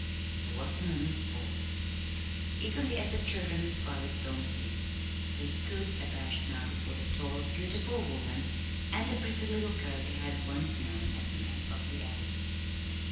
There was a moment's pause. Eagerly as the children had followed Tom's lead, they stood abashed now before the tall, beautiful woman and the pretty little girl they had once known as "Mag of the Alley."